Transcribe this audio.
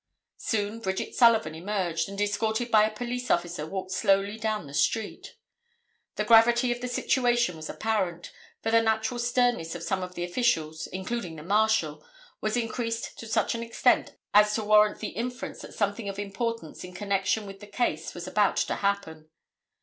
Soon Bridget Sullivan emerged, and escorted by a police officer walked slowly down the street. The gravity of the situation was apparent, for the natural sternness of some of the officials, including the Marshal, was increased to such an extent as to warrant the inference that something of importance in connection with the case was about to happen.